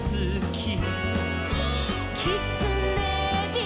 「きつねび」「」